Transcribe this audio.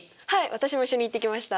私も一緒に行ってきました。